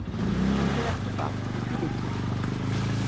ইহাতে আমি তো পাপ কিছুই দেখিতেছি না।